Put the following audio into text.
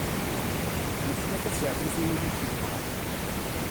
Nefka tasertit i win i tt-yebɣan.